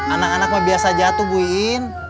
anak anak mah biasa jatuh bu yin